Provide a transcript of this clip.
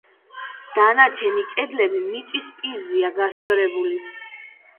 დანარჩენი კედლები მიწის პირზეა გასწორებული.